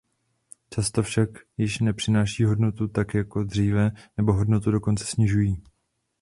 Často však již nepřináší hodnotu tak jako dříve nebo hodnotu dokonce snižují.